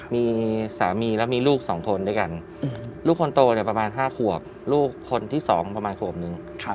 มีสามีแล้วมีลูก๒คนด้วยกันลูกคนโตเนี่ยประมาณ๕ขวบลูกคนที่๒ประมาณขวบนึง